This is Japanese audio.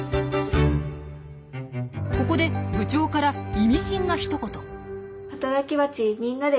ここで部長から意味深なひと言。